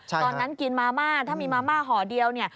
ตอนนั้นกินมาม่าถ้ามีมาม่าห่อเดียวเนี่ย